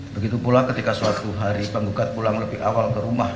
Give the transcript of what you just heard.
begitu pula ketika suatu hari penggugat pulang lebih awal ke rumah